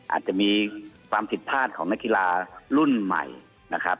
อาจจะมีความผิดพลาดของนักกีฬารุ่นใหม่นะครับ